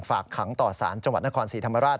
ฝากขังต่อสารจังหวัดนครศรีธรรมราช